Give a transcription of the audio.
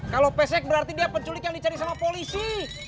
kalau pesek berarti dia penculik yang dicari sama polisi